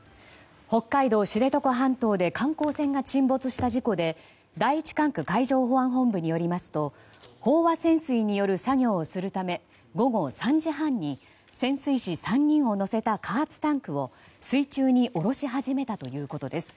北海道知床半島で観光船が沈没した事故で第１管区海上保安本部によりますと飽和潜水による作業をするため午後３時半に潜水士３人を乗せた加圧タンクを水中に降ろし始めたということです。